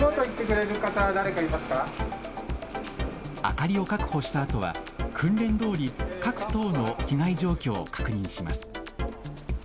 明かりを確保したあとは訓練どおり各棟の被害状況を確認します。